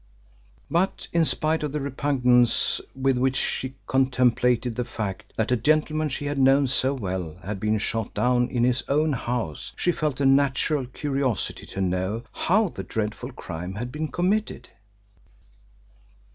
But in spite of the repugnance with which she contemplated the fact that a gentleman she had known so well had been shot down in his own house she felt a natural curiosity to know how the dreadful crime had been committed.